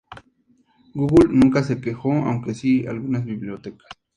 Google nunca se quejó, aunque sí algunas bibliotecas.